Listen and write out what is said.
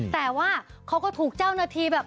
แต่ว่าเขาก็ถูกเจ้าหน้าที่แบบ